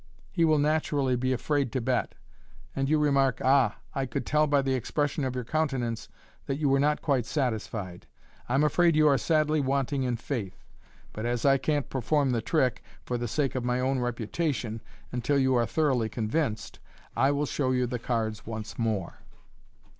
He will naturally be afraid to bet, and jou remark, " A.h, I could tell by the expression of your countenance that you were not quite satisfied. I'm afraid you are sadly wanting in faith, but as I can't perform the trick, for the sake of my own reputation, until you are thoroughly convinced, I will show you the cards once more."